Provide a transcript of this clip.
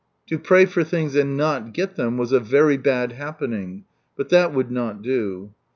To pray for things and not get them was a " very bad happening." But that would not do.